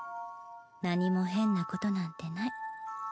何も変なことなんてない。